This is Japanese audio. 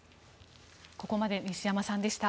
ここまで西山さんでした。